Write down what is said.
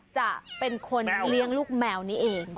จะเป็นคนเลี้ยงลูกแมวนี้เอง